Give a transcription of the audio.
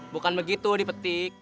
bukan begitu dipetik